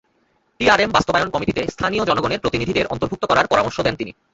TRM বাস্তবায়ন কমিটিতে স্থানীয় জনগণের প্রতিনিধিদের অন্তর্ভুক্ত করার পরামর্শ দেন তিনি।